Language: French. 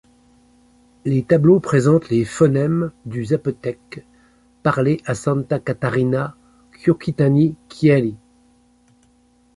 Les tableaux présentent les phonèmes du zapotèque parlé à Santa Catarina Quioquitani-Quierí.